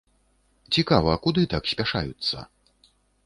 Цікава, куды так спяшаюцца?